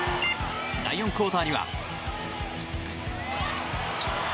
第４クオーターには。